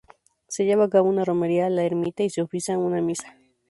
Se lleva a cabo una romería a la ermita y se oficia una misa.